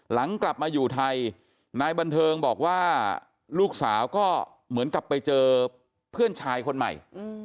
หลังกลับมาอยู่ไทยนายบันเทิงบอกว่าลูกสาวก็เหมือนกับไปเจอเพื่อนชายคนใหม่